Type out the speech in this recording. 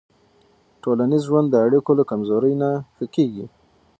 ټولنیز ژوند د اړیکو له کمزورۍ نه ښه کېږي.